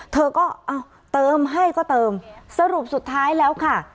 เธอก็เอาเติมให้ก็เติมสรุปสุดท้ายแล้วค่ะ